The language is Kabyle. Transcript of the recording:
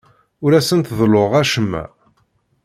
Ur asent-ḍelluɣ acemma.